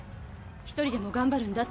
一人でもがんばるんだ」